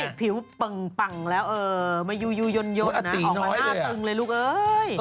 นี่ผิวเปิ่งเปิ่งแล้วเออมายุย่นน่ะออกมาหน้าตึงเลยลูกเอ้ย